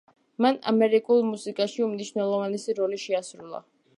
მან ამერიკულ მუსიკაში უმნიშვნელოვანესი როლი შეასრულა.